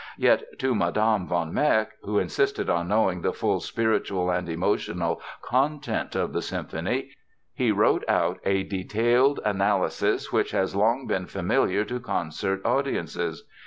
Yet, to Mme. von Meck, who insisted on knowing the full spiritual and emotional content of the symphony, he wrote out a detailed analysis which has long been familiar to concert audiences.